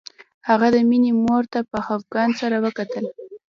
هغه د مينې مور ته په خپګان سره وکتل